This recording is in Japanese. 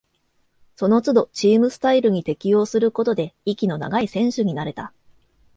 そのつどチームスタイルに適応することで、息の長い選手になれた